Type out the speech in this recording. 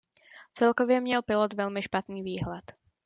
Celkově měl pilot velmi špatný výhled.